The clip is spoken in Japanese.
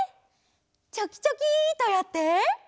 チョキチョキッとやって。